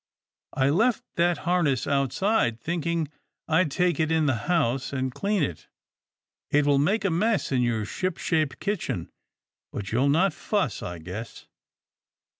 I left that har ness outside, thinking I'd take it in the house and clean it. It will make a mess in your ship shape kitchen, but you'll not fuss, I guess."